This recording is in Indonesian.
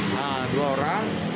nah dua orang